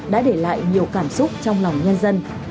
đã để lại nhiều cảm xúc trong lòng nhân dân